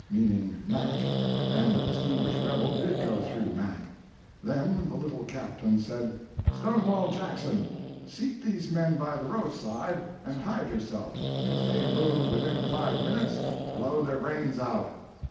"—meaning Mac—and the distinguished rebel did go through Mac. Then the little Captain said, "Stonewall Jackson, seat these men by the roadside, and hide yourself; if they move within five minutes, blow their brains out!"